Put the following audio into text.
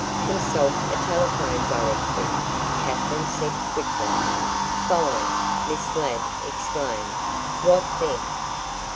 "Consult a telephone directory," Katherine said quickly. "Fine!" Miss Ladd exclaimed. "What then?"